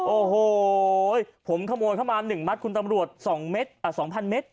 โอ้โหผมขโมยค่ะมา๑มัตต์คุณตำรวจ๒๐๐๐เมตร